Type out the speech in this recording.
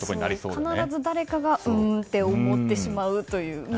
必ず誰かがうーんと思ってしまうという。